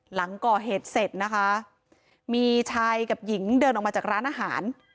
หลังก่อเหตุเสร็จนะคะมีชายกับหญิงเดินออกมาจากร้านอาหาร